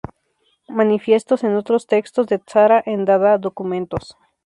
Manifiestos y otros textos de Tzara, en: "Dadá Documentos".